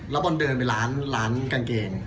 แล้วบอลเดินไปร้านกางเกง